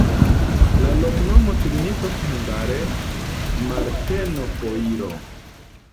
La loknomo signifas hungare: Marteno-foiro.